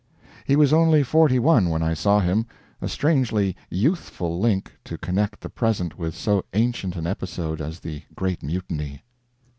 He was only forty one when I saw him, a strangely youthful link to connect the present with so ancient an episode as the Great Mutiny.